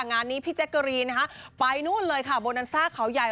งานนี้พี่แจ๊กเกอรีนไปโบนัลซ่าเขาใหญ่